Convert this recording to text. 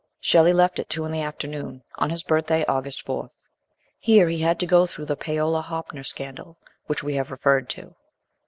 Shelley left at two in the afternoon, on his birthday, August 4th. Here he had to go through the Paolo Hoppner scandal, which we have referred to.